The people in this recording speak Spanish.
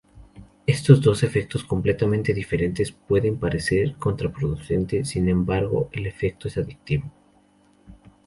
Estos dos efectos completamente diferentes puede parecer contraproducente, sin embargo, el efecto es aditivo.